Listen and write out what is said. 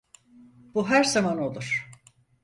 Bu her zaman olur.